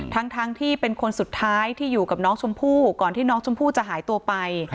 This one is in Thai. ทั้งที่เป็นคนสุดท้ายที่อยู่กับน้องชมพู่ก่อนที่น้องชมพู่จะหายตัวไป